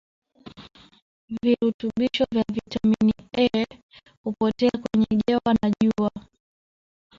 virutubisho vya vitamin A huppotea kwenye jewa na jua